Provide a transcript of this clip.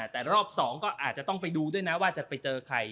แต่รอบ๒ก็อาจจะต้องไปดูด้วยนะว่าจะไปเจอใคร